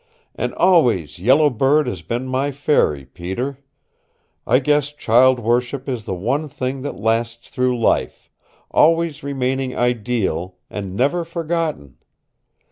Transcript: And always Yellow Bird has been my fairy, Peter. I guess child worship is the one thing that lasts through life, always remaining ideal, and never forgotten.